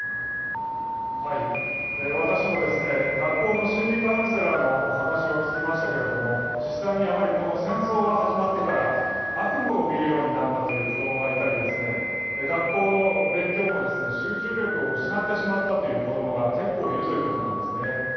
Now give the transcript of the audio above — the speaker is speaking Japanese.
私も学校の心理カウンセラーのお話を聞きましたけれども、実際に戦争が始まってから、悪夢を見るようになったという子供がいたり、学校の勉強も集中力を失ってしまったという子供が結構いるということなんですね。